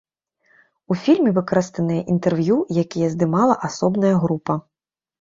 У фільме выкарыстаныя інтэрв'ю, якія здымала асобная група.